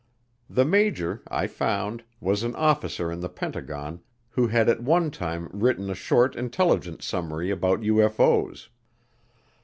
The major, I found, was an officer in the Pentagon who had at one time written a short intelligence summary about UFO's.